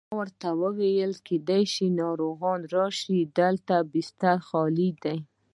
ما ورته وویل: کېدای شي ناروغان راشي، دلته ډېر بسترونه خالي دي.